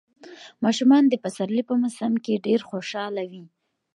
ماشومان د پسرلي په موسم کې ډېر خوشاله وي.